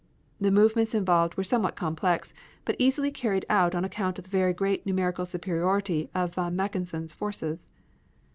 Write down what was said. The movements involved were somewhat complex, but easily carried out on account of the very great numerical superiority of von Mackensen's forces.